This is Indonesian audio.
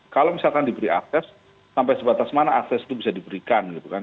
kalau misalkan diberi akses sampai sebatas mana akses itu bisa diberikan gitu kan